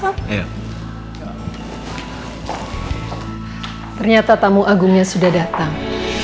ternyata tamu agungnya sudah datang